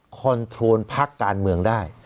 คอนโทรลพักการเมืองได้